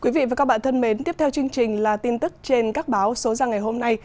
quý vị và các bạn thân mến tiếp theo chương trình là tin tức trên các báo số ra ngày hôm nay